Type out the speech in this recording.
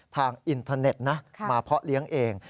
อินเทอร์เน็ตนะมาเพาะเลี้ยงเอง